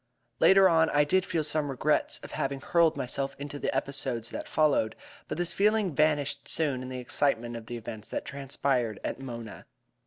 Later on I did feel some regrets at having hurled myself into the episodes that followed, but this feeling vanished soon in the excitement of the events that transpired at Mona.